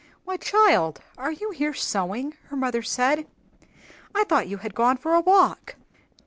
"Why, child, are you here sewing?" her mother said. "I thought you had gone for a walk."